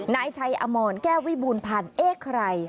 นายชัยอมรแก้ววิบูรพันธ์เอ๊ะใคร